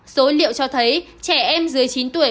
số liệu cho thấy trẻ em dưới chín tuổi